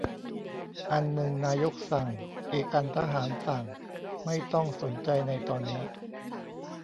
อันนึงนายกสั่ง อีกอันทหารสั่ง ไม่ต้องสนใจในตอนนี้